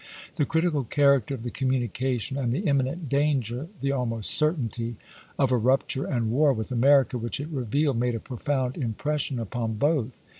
The critical character of the communication, and the imminent danger — the almost certainty — of a rupture and war with America which it revealed, made a profound im pression upon both.